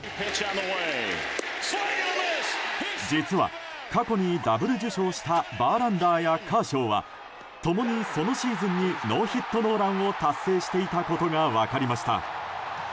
実は、過去にダブル受賞したバーランダーやカーショーは共にそのシーズンにノーヒットノーランを達成していたことが分かりました。